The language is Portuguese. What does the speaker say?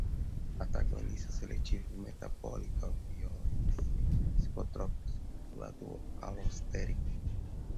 antagonista seletivo, metabólica, opioides, psicotrópicos, modulador alostérico